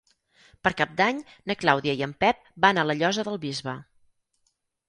Per Cap d'Any na Clàudia i en Pep van a la Llosa del Bisbe.